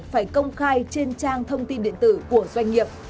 phải công khai trên trang thông tin điện tử của doanh nghiệp